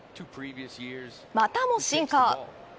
またもシンカー。